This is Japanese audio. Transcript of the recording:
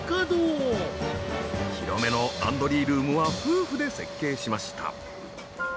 広めのランドリールームは夫婦で設計しました。